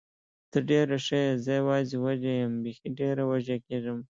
ته ډېره ښه یې، زه یوازې وږې یم، بېخي ډېره وږې کېږم.